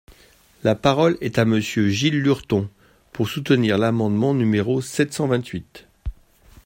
La parole est à Monsieur Gilles Lurton, pour soutenir l’amendement numéro sept cent vingt-huit.